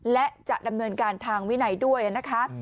และจะดำเนินการทางวินัยด้วยนะคะ